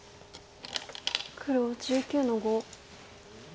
黒１９の五。